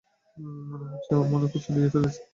মনে হচ্ছে, ওর মনে কষ্ট দিয়ে ফেলেছ।